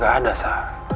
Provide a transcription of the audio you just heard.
gak ada sa